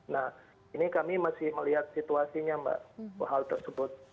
nah ini kami masih melihat situasinya mbak hal tersebut